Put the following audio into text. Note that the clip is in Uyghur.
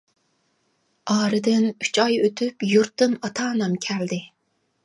ئارىدىن ئۈچ ئاي ئۆتۈپ يۇرتتىن ئاتا-ئانام كەلدى.